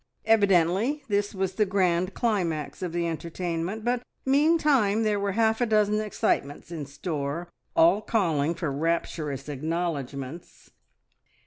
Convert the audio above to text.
Evidently this was the grand climax of the entertainment, but meantime there were half a dozen excitements in store, all calling for rapturous acknowledgments.